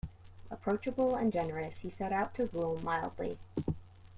Approachable and generous, he set out to rule mildly.